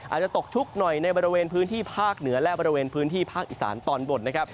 อาจจะตกชุกหน่อยในบริเวณพื้นที่ภาคเหนือและบริเวณพื้นที่ภาคอีสานตอนบนนะครับ